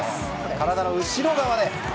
体の後ろ側で。